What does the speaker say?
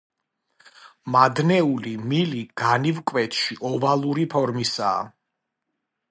მადნეული მილი განივკვეთში ოვალური ფორმისაა.